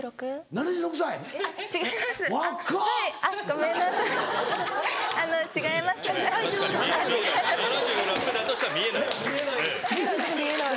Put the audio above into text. ７６だとしたら見えない。